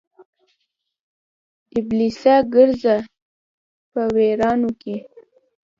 ابلیسه ګرځه په ویرانو کې